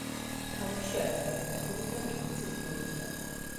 ქალაქში არის ნავსადგური და რკინიგზის ბოლო სადგური.